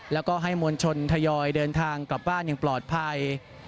แล้วก็ให้มวลชนทยอยเดินทางกลับบ้านอย่างปลอดภัย